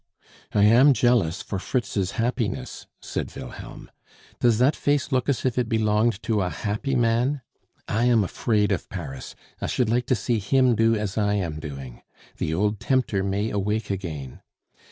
"I am jealous for Fritz's happiness," said Wilhelm. "Does that face look as if it belonged to a happy man? I am afraid of Paris; I should like to see him do as I am doing. The old tempter may awake again.